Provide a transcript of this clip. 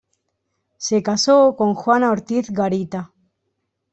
Se casó con Juana Ortiz Garita.